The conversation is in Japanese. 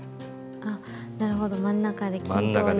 あなるほど真ん中で均等に。